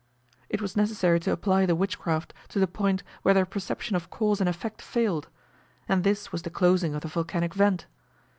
It was necessary to apply the witchcraft to the point where their perception of cause and effect failed; and this was the closing of the volcanic vent.